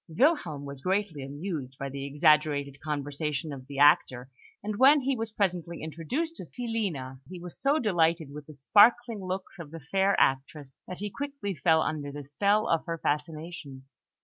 Wilhelm was greatly amused by the exaggerated conversation of the actor; and when he was presently introduced to Filina, he was so delighted with the sparkling looks of the fair actress that he quickly fell under the spell of her fascinations.